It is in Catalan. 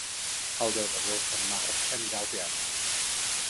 El deu d'agost en Marc anirà al teatre.